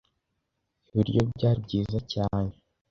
Ibiryo byari byiza cyane.